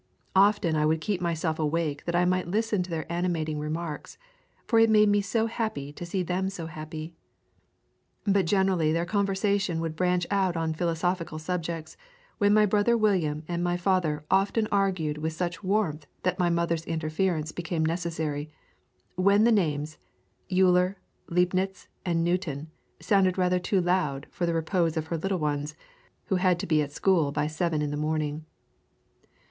Often I would keep myself awake that I might listen to their animating remarks, for it made me so happy to see them so happy. But generally their conversation would branch out on philosophical subjects, when my brother William and my father often argued with such warmth that my mother's interference became necessary, when the names Euler, Leibnitz, and Newton sounded rather too loud for the repose of her little ones, who had to be at school by seven in the morning."